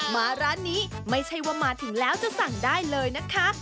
มาร้านนี้ไม่ใช่ว่ามาถึงแล้วจะสั่งได้เลยนะคะ